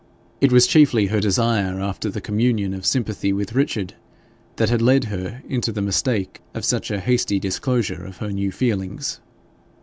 It was chiefly her desire after the communion of sympathy with Richard that had led her into the mistake of such a hasty disclosure of her new feelings.